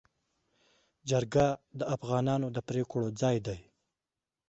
جرګه د افغانانو د پرېکړو ځای دی.